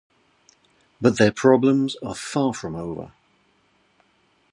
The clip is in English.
But their problems are far from over.